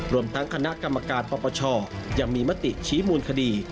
รวมทั้งคณะกรรมการปปชยังมีมติชี้มูลคดี